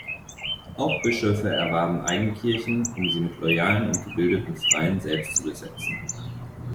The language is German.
Auch Bischöfe erwarben Eigenkirchen, um sie mit loyalen und gebildeten Freien selbst zu besetzen.